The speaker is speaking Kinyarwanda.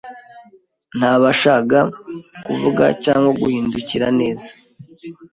ntabashaga kuvuga cyangwa guhindukira neza